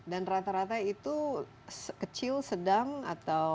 dan rata rata itu kecil sedang atau